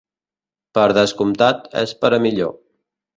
Per descomptat, és per a millor.